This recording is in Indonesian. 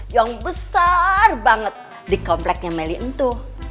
yang besar banget di kompleknya meli itu